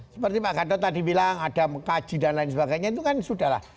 seperti pak gadot tadi bilang ada mengkaji dan lain sebagainya itu kan sudah lah